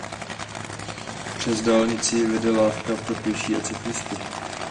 Přes dálnici vede lávka pro pěší a cyklisty.